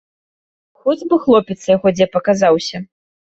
Хоць бы хлопец яго дзе паказаўся.